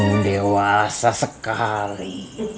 kamu dewasa sekali